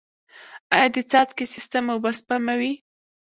آیا د څاڅکي سیستم اوبه سپموي؟